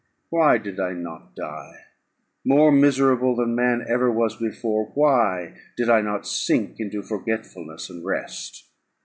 Why did I not die? More miserable than man ever was before, why did I not sink into forgetfulness and rest?